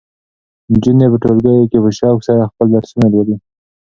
نجونې په ټولګیو کې په شوق سره خپل درسونه لولي.